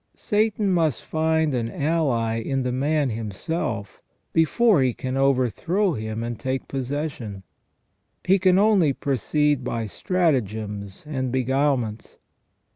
Satan must find an ally in the man himself before he can overthrow him and take possession. He can only proceed by stratagems and beguilements.